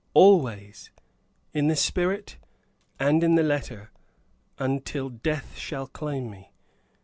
"Always, in the spirit and in the letter, until death shall claim me.